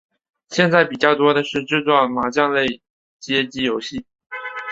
现在比较多的是制作麻将类街机游戏。